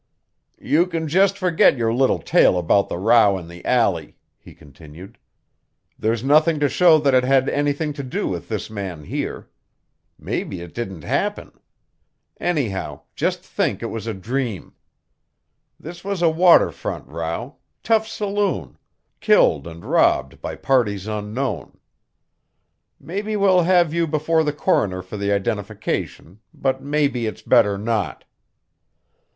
"You can just forget your little tale about the row in the alley," he continued. "There's nothing to show that it had anything to do with this man here. Maybe it didn't happen. Anyhow, just think it was a dream. This was a water front row tough saloon killed and robbed by parties unknown. Maybe we'll have you before the coroner for the identification, but maybe it's better not."